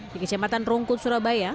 di kecamatan rungkut surabaya